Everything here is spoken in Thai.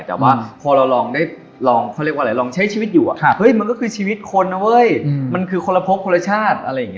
แต่ว่าพอเราลองใช้ชีวิตอยู่มันก็คือชีวิตคนนะเว้ยมันคือคนละพกคนละชาติ